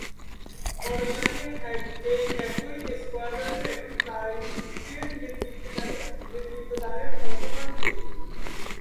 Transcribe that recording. পরের বছর এই একই স্কোয়াড্রনের একটি ফ্লাইটের নেতৃত্ব দানের ক্ষমতা পান তিনি।